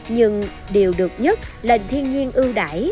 nhưng điều được nhất là lệnh thiên nhiên ưu đải